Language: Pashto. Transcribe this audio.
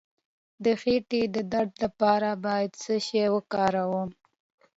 د خیټې د درد لپاره باید څه شی وکاروم؟